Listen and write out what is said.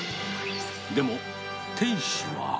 でも、店主は。